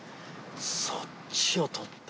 そっちを取った。